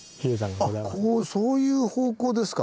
あっそういう方向ですか。